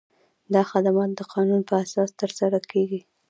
دا خدمات د قانون په اساس ترسره کیږي.